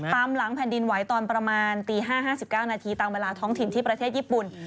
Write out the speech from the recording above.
ตามหลังแผ่นดินไหวตอนประมาณตี๕๕๙นาทีตามเวลาท้องถิ่นที่ประเทศญี่ปุ่น